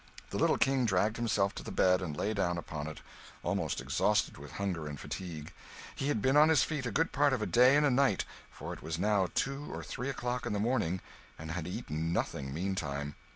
The little King dragged himself to the bed and lay down upon it, almost exhausted with hunger and fatigue. He had been on his feet a good part of a day and a night (for it was now two or three o'clock in the morning), and had eaten nothing meantime.